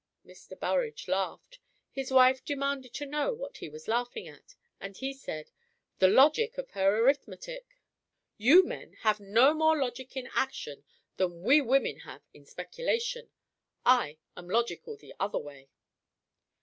Mr. Burrage laughed. His wife demanded to know what he was laughing at? and he said "the logic of her arithmetic." "You men have no more logic in action, than we women have in speculation. I am logical the other way."